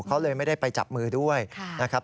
เขาเลยไม่ได้ไปจับมือด้วยนะครับ